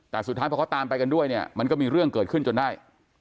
แต่สุดท้ายพอเขาตามไปกันด้วยเนี่ยมันก็มีเรื่องเกิดขึ้นจนได้